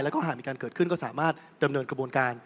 หากมีการเกิดขึ้นก็สามารถเตรียมเนินกระบวนการ